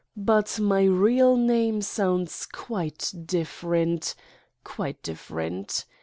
But my real name sounds quite dif ferent, quite different!